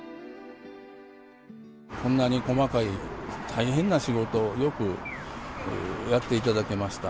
こんなに細かい大変な仕事をよくやっていただけました。